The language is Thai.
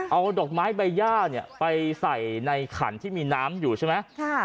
เอาดอกไม้ใบย่าเนี่ยไปใส่ในขันที่มีน้ำอยู่ใช่ไหม